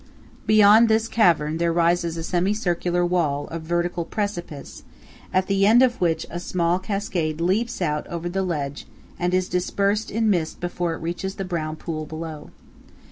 Beyond this cavern there rises a semi circular wall of vertical precipice, at the end of which a small cascade leaps out over the ledge and is dispersed in mist before it reaches the brown pool below.